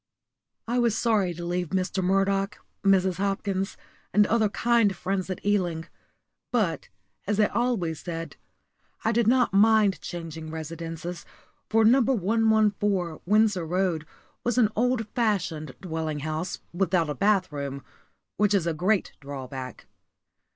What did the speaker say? *_ I was sorry to leave Mr. Murdoch, Mrs. Hopkins, and other kind friends at Ealing; but, as I always said, I did not mind changing residences, for No. 114, Windsor Road, was an old fashioned dwelling house without a bathroom, which is a great drawback.